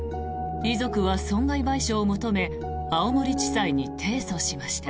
遺族は損害賠償を求め青森地裁に提訴しました。